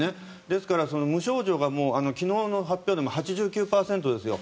ですから無症状が昨日の発表でも８９％ですよ。